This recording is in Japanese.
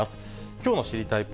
きょうの知りたいッ！